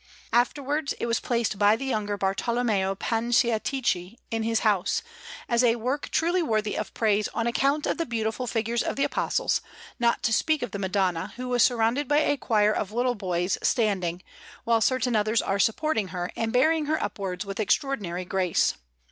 Afterwards it was placed by the younger Bartolommeo Panciatichi in his house, as a work truly worthy of praise on account of the beautiful figures of the Apostles; not to speak of the Madonna, who is surrounded by a choir of little boys standing, while certain others are supporting her and bearing her upwards with extraordinary grace.